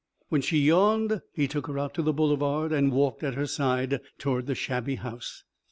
When she yawned, he took her out to the boulevard and walked at her side toward the shabby house.